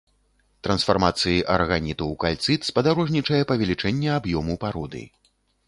Трансфармацыі араганіту ў кальцыт спадарожнічае павелічэнне аб'ёму пароды.